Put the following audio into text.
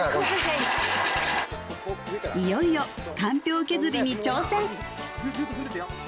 いよいよかんぴょう削りに挑戦！